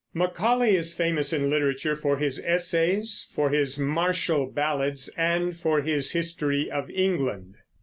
Macaulay is famous in literature for his essays, for his martial ballads, and for his History of England.